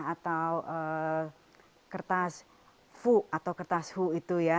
atau kertas fu atau kertas fu itu ya